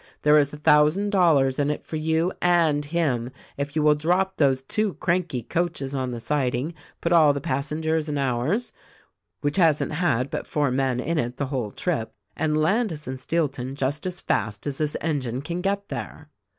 There is a thousand dollars in it for you and him if you will drop those two cranky coaches on the siding, put all the passengers in ours, (which hasn't had but four men in it the whole trip), and land us in Steelton just as fast as this engine can get there.'"